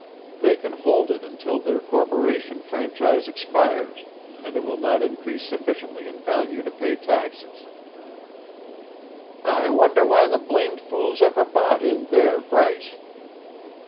They can hold it until their corporation franchise expires, and it will not increase sufficiently in value to pay taxes." "I wonder why the blamed fools ever bought in there, Bryce."